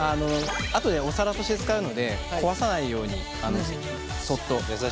あとでお皿として使うので壊さないようにそっと。